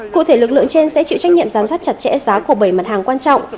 cụ thể lực lượng trên sẽ chịu trách nhiệm giám sát chặt chẽ giá của bảy mặt hàng quan trọng